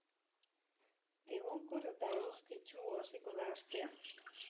Egonkor eta eguzkitsu hasiko da astea.